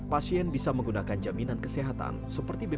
pasien bisa menggunakan jaminan kesehatan seperti bpjs